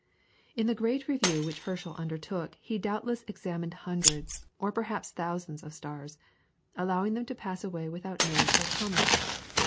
In the great review which Herschel undertook he doubtless examined hundreds, or perhaps thousands of stars, allowing them to pass away without note or comment.